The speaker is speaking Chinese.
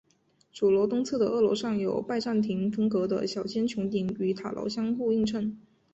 主楼东侧的二楼上有拜占廷风格的小尖穹顶与塔楼相互映衬。